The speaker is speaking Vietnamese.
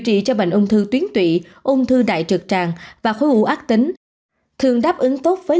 trị cho bệnh ung thư tuyến tụy ung thư đại trực tràng và khối u ác tính thường đáp ứng tốt với